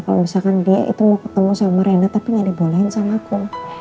kalau misalkan dia itu mau ketemu sama rena tapi gak dibolehin sama aku